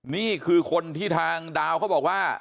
นี่คือคนที่ทางดาวเขาบอกว่า